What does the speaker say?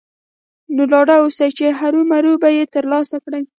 نو ډاډه اوسئ چې هرو مرو به يې ترلاسه کړئ.